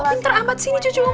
kok pinter amat sih ini cucu oma